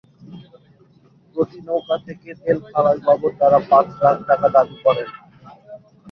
প্রতি নৌকা থেকে তেল খালাস বাবদ তাঁরা পাঁচ লাখ টাকা দাবি করেন।